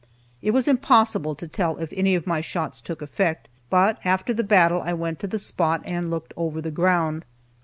It was impossible to tell if any of my shots took effect, but after the battle I went to the spot and looked over the ground.